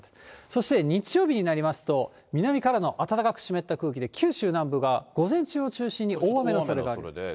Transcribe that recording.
そして日曜日になりますと、南からの暖かく湿った空気で、九州南部が午前中を中心に大雨のおそれがあります。